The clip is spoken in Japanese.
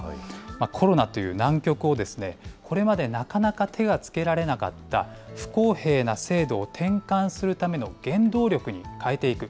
コロナという難局を、これまでなかなか手がつけられなかった、不公平な制度を転換するための原動力に変えていく。